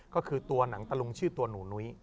ก็คือตัวหนังตะลุงชื่อตัวหนูนุ้ย